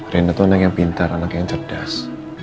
reina tuh anak yang pintar anak yang cerdas